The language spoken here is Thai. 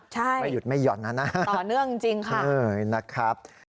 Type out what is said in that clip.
ใช่ต่อเนื่องจริงค่ะใช่ไม่หยุดไม่หย่อนนะนะครับ